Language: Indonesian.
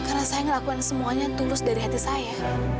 karena saya ngelakuin semuanya tulus dari hati saya